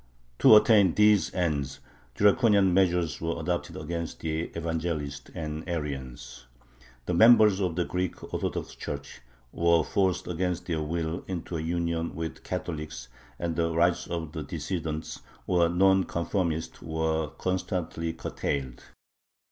To attain these ends draconian measures were adopted against the Evangelists and Arians. The members of the Greek Orthodox Church were forced against their will into a union with the Catholics, and the rights of the "dissidents," or non conformists, were constantly curtailed.